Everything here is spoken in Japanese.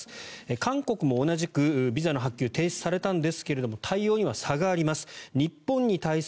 韓国も同じくビザの発給、停止されたんですが対応には差があります。